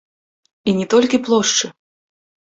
І не толькі плошчы!